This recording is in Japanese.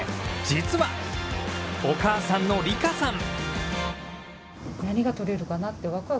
実は、お母さんのリカさん。